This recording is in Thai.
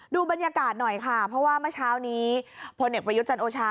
ดูบรรยากาศหน่อยค่ะเพราะว่าเมื่อเช้านี้พลเอกประยุทธ์จันโอชา